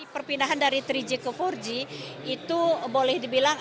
perpindahan dari tiga g ke empat g itu boleh dibilang